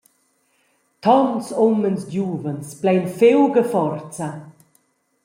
Tons umens giuvens plein fiug e forza!